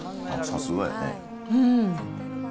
さすがやね。